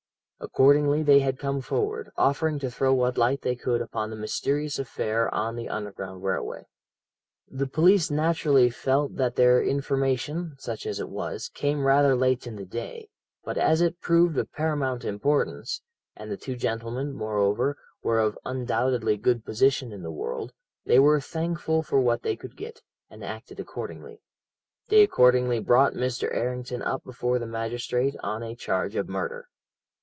Accordingly they had come forward, offering to throw what light they could upon the mysterious affair on the Underground Railway. "The police naturally felt that their information, such as it was, came rather late in the day, but as it proved of paramount importance, and the two gentlemen, moreover, were of undoubtedly good position in the world, they were thankful for what they could get, and acted accordingly; they accordingly brought Mr. Errington up before the magistrate on a charge of murder.